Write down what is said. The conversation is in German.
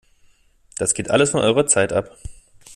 Das geht alles von eurer Zeit ab!